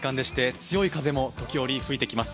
強い風も時折吹いてきます。